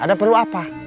ada perlu apa